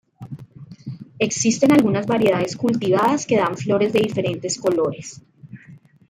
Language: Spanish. Existen algunas variedades cultivadas que dan flores de diferentes colores.